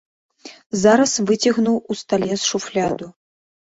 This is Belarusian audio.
Зараз выцягнуў у стале шуфляду.